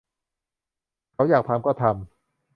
เขาอยากทำก็ทำ